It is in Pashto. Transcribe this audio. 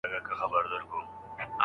که طبي معائناتو ثابته کړه.